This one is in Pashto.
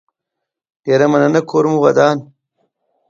ډيره مننه کور مو ودان